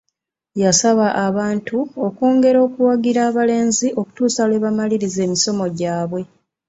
Yasaba abantu okwongera okuwagira abalenzi okutuusa lwe bamaliriza emisomo gyabwe.